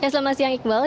selamat siang iqbal